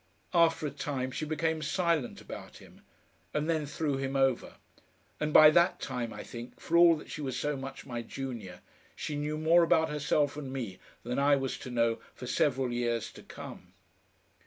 After a time she became silent about him, and then threw him over; and by that time, I think, for all that she was so much my junior, she knew more about herself and me than I was to know for several years to come.